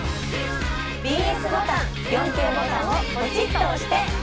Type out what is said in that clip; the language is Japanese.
ＢＳボタン４Ｋボタンをポチッと押して。